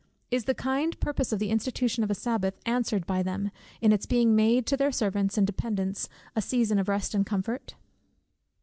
Is the kind purpose of the institution of a Sabbath answered by them, in its being made to their servants and dependents a season of rest and comfort?